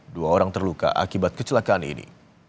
dua orang terluka akibat kecelakaan ini